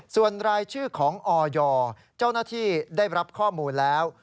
ส่วนรายชื่อของออยเจ้าหน้าที่ได้รับข้อมูลแล้ว